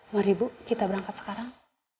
mari bu kita berangkat sekarang